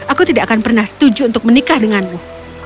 aku tidak akan pernah setuju untuk menikah denganmu